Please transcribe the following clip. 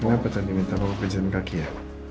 kenapa tadi minta bawa pejam kaki ya